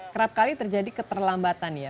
kerap kali terjadi keterlambatan ya